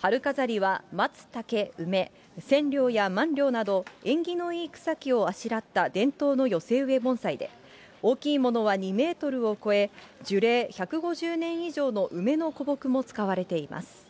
春飾りは、松、竹、梅、センリョウやマンリョウなど、縁起のいい草木をあしらった伝統の寄せ植え盆栽で、大きいものは２メートルを超え、樹齢１５０年以上の梅の古木も使われています。